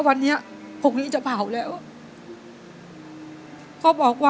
แล้วตอนนี้พี่พากลับไปในสามีออกจากโรงพยาบาลแล้วแล้วตอนนี้จะมาถ่ายรายการ